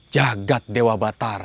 jagat dewa bapak